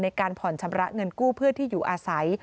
ในการผ่อนชำระเงินกู้เพื่อที่อยู่อาศัย